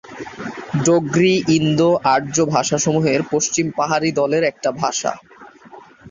ডোগরি ইন্দো-আর্য ভাষাসমূহের পশ্চিম পাহাড়ী দলের একটি ভাষা।